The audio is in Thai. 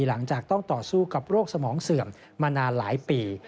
หลังจากต้องต่อสู้กับโรคสมองเสื่อมมานานหลายปี